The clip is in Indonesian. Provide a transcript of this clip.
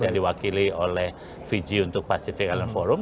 yang diwakili oleh fiji untuk pacific alert forum